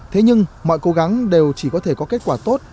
thế nhưng mọi cố gắng đều chỉ có thể có kết quả tốt